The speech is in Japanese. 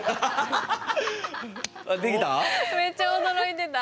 できた？